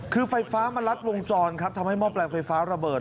คือไฟฟ้ามันลัดวงจรครับทำให้หม้อแปลงไฟฟ้าระเบิด